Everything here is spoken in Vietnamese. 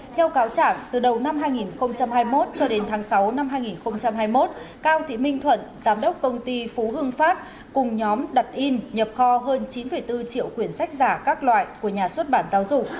theo cáo chẳng từ đầu năm hai nghìn hai mươi một cho đến tháng sáu năm hai nghìn hai mươi một cao thị minh thuận giám đốc công ty phú hưng phát cùng nhóm đặt in nhập kho hơn chín bốn triệu quyền sách giả các loại của nhà xuất bản giáo dục